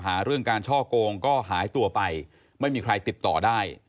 หาเรื่องการช่อโกงก็หายตัวไปไม่มีใครติดต่อได้